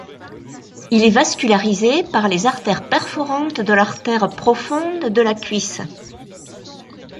Il est vascularisé par les artères perforantes de l'artère profonde de la cuisse.